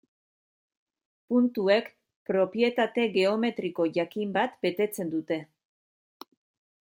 Puntuek propietate geometriko jakin bat betetzen dute.